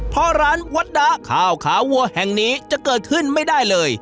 เพราะร้านวัตดะข้าวขาวัวแห่งนี้จะเกิดขึ้นไม่ได้เลย